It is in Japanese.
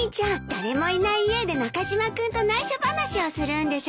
誰もいない家で中島君と内緒話をするんでしょ。